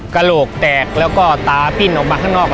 กระโหลกแตกแล้วก็ตาปิ้นออกมาข้างนอก